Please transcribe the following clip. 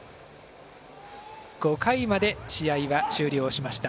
５回まで、試合は終了しました。